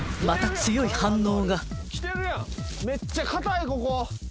また強い反応がめっちゃ硬いここ。